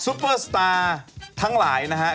ซุเปอร์สตาร์ทั้งหลายนะครับ